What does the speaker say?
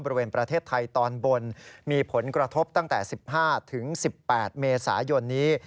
บริเวณประเทศไทยตอนบนมีผลกระทบตั้งแต่๑๕๑๘เมษายนนี้